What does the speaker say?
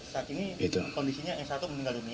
saat ini kondisinya s satu meninggal dunia